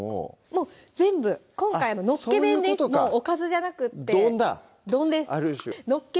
もう全部今回のっけ弁ですおかずじゃなくって丼だ丼ですのっけ